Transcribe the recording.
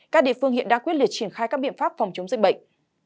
các địa phương hiện đã quyết liệt triển khai các biện pháp phòng chống dịch bệnh